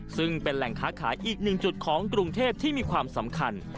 ซึ่งเป็นแหล่งค้าขายอีกหนึ่งจุดของกรุงเทพที่มีความสำคัญ